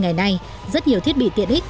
ngày nay rất nhiều thiết bị tiện ích